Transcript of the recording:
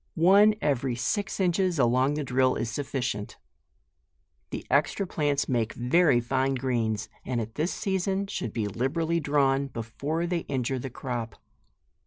One every six inches along the drill is sufficient. The extra plants make very fine greens, and at this season should be liberally drawn, before they injure the crop.